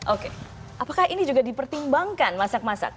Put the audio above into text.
oke apakah ini juga dipertimbangkan masak masak